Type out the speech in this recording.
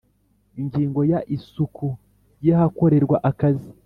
Ingingo ya Isuku y ahakorerwa akazi